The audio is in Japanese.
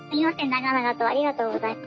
長々とありがとうございました。